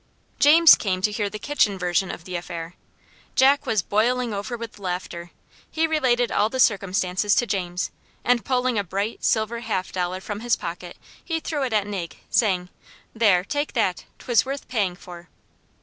James came to hear the kitchen version of the affair. Jack was boiling over with laughter. He related all the circumstances to James, and pulling a bright, silver half dollar from his pocket, he threw it at Nig, saying, "There, take that; 'twas worth paying for."